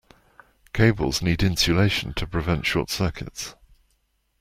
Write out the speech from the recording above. Cables need insulation to prevent short circuits.